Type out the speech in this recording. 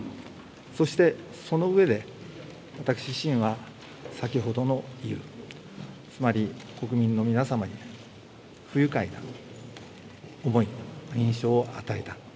そして、その上で、私自身は、先ほどのゆう、つまり、国民の皆様に不愉快な思い、印象を与えた。